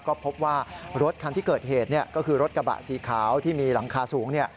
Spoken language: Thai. ก็พบว่ารถคันที่เกิดเหตุก็คือรถกระบะสีขาวที่มีหลังคาสูงเนี่ย